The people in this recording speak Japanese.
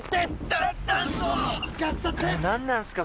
何なんすか？